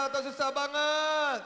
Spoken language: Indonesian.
susah atau susah banget